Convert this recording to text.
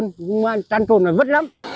nhưng mà trăn trồn là vứt lắm